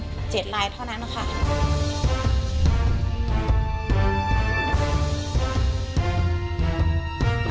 ไม่ได้มีเจตนาที่จะเล่ารวมหรือเอาทรัพย์ของคุณ